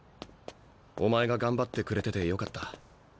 お前が頑張ってくれててよかった。